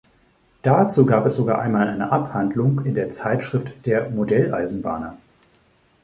Dazu gab es sogar einmal eine Abhandlung in der Zeitschrift "Der Modelleisenbahner".